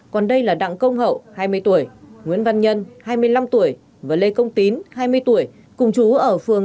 còn đây là đặng công hậu hai mươi tuổi nguyễn văn nhân hai mươi năm tuổi và lê công tín hai mươi tuổi cùng chú ở phường